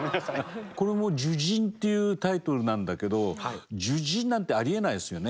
これも「樹人」っていうタイトルなんだけど「樹人」なんてありえないですよね。